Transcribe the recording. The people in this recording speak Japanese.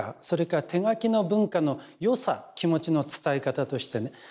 それから手書きの文化の良さ気持ちの伝え方としてね